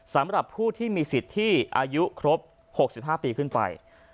สำหรับผู้ที่มีสิทธิ์ที่อายุครบ๖๕ปีขึ้นไป